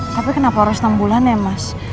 tapi kenapa harus enam bulan ya mas